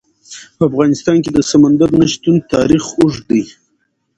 په افغانستان کې د سمندر نه شتون تاریخ اوږد دی.